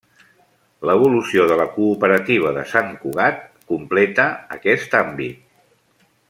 L'evolució de la cooperativa de Sant Cugat completa aquest àmbit.